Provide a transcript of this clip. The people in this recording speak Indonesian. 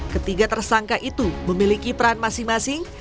ketiga tersangka itu memiliki peran masing masing